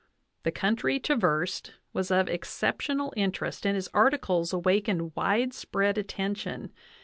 The country traversed was of exceptional interest and his articles awakened widespread attention.